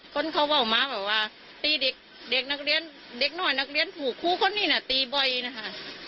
คนเขาเว้าม้าแบบว่าตีเด็กหน่อยนักเรียนถูกคู่คนนี้นะตีบ่อยนะคะ